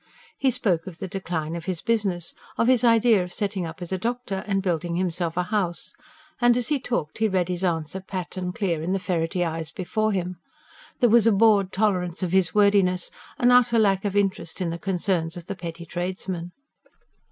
He spoke of the decline of his business; of his idea of setting up as a doctor and building himself a house; and, as he talked, he read his answer pat and clear in the ferrety eyes before him. There was a bored tolerance of his wordiness, an utter lack of interest in the concerns of the petty tradesman.